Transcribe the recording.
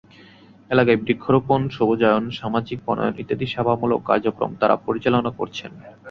এলাকায় বৃক্ষরোপণ, সবুজায়ন, সামাজিক বনায়ন ইত্যাদি সেবামূলক কার্যক্রম তাঁরা পরিচালনা করছেন।